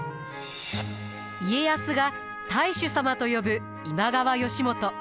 家康が太守様と呼ぶ今川義元。